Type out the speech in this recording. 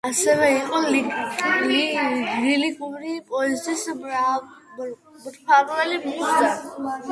ასევე იყო ლირიკული პოეზიის მფარველი მუზა.